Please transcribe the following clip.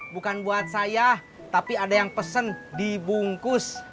bukan buat saya tapi ada yang pesen dibungkus